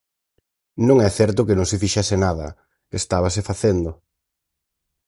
Non é certo que non se fixese nada, estábase facendo.